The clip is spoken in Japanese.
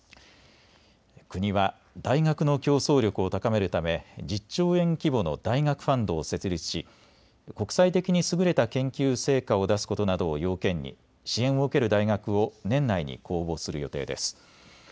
国は大学の競争力を高めるため１０兆円規模の大学ファンドを設立し国際的に優れた研究成果を出すことなどを要件に支援を受ける大学を年内に公募する予定です。